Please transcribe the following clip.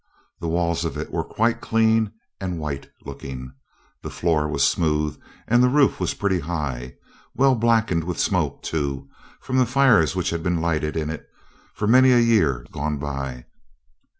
The walls of it were quite clean and white looking, the floor was smooth, and the roof was pretty high, well blackened with smoke, too, from the fires which had been lighted in it for many a year gone by.